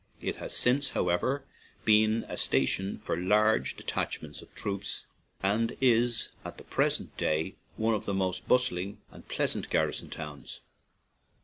It has since, however, been a station for large detachments of troops, and is at the present 125 ON AN IRISH JAUNTING CAR day one of the most bustling and pleasant garrison towns.